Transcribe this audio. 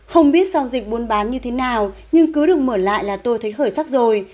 không biết giao dịch buôn bán như thế nào nhưng cứ được mở lại là tôi thấy khởi sắc rồi